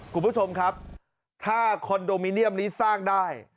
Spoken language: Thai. คุณผู้ชมครับถ้าคอนโดมิเนียมนี้สร้างได้